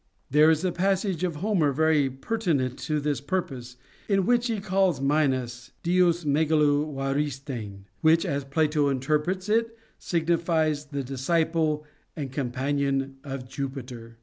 There is a passage of Homer very pertinent to this purpose, in which he calls Minos Jwg μεγάλου όαριστψ, which, as Plato interprets it, signifies the disciple and companion of Jupiter.